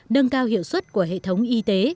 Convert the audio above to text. nâng cao hiệu suất của hệ thống y tế